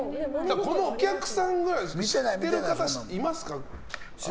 このお客さんは知ってる方いますか？